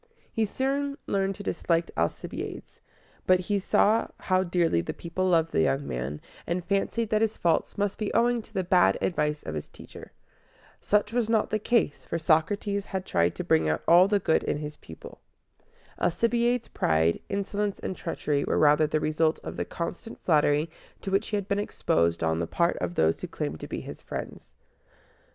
He soon learned to dislike Alcibiades; but he saw how dearly the people loved the young man, and fancied that his faults must be owing to the bad advice of his teacher. Such was not the case, for Socrates had tried to bring out all the good in his pupil. Alcibiades' pride, insolence, and treachery were rather the result of the constant flattery to which he had been exposed on the part of those who claimed to be his friends.